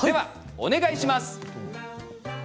お願いします。